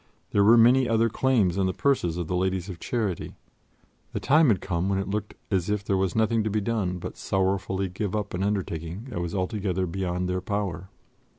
There were many other claims on the purses of the Ladies of Charity; the time had come when it looked as if there was nothing to be done but sorrowfully give up an undertaking that was altogether beyond their power.